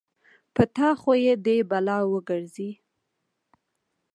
په تا خو دې يې بلا وګرځې.